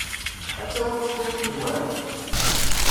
Ad tawim cwiṭ yid-wen?